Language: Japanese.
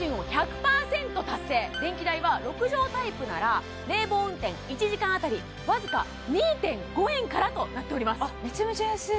電気代は６畳タイプなら冷房運転１時間当たり僅か２．５円からとなっております